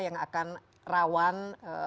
yang akan rawan